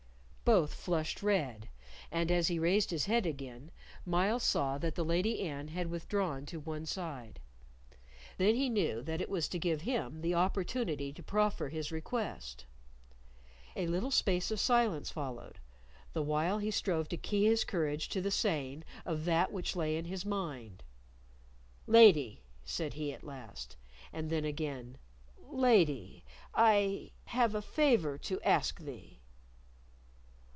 Both flushed red, and as he raised his head again, Myles saw that the Lady Anne had withdrawn to one side. Then he knew that it was to give him the opportunity to proffer his request. A little space of silence followed, the while he strove to key his courage to the saying of that which lay at his mind. "Lady," said he at last, and then again "Lady, I have a favor for to ask thee."